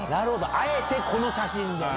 あえてこの写真でね。